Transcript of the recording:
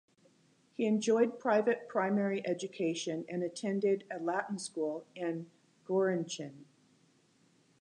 He enjoyed private primary education, and attended a latin school in Gorinchem.